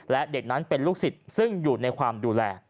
และเด็กนั้นเป็นลูกศิษย์ซึ่งอยู่ในความดูแล